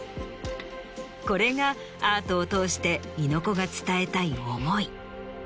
これがアートを通して猪子が伝えたい思い。